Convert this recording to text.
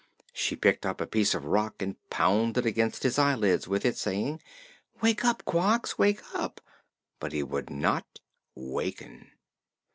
She picked up a piece of rock and pounded against his eyelids with it, saying: "Wake up, Quox wake up!" But he would not waken.